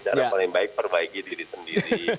cara paling baik perbaiki diri sendiri